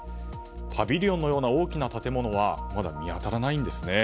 パビリオンのような大きな建物はまだ見当たらないんですね。